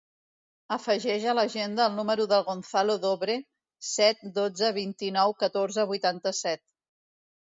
Afegeix a l'agenda el número del Gonzalo Dobre: set, dotze, vint-i-nou, catorze, vuitanta-set.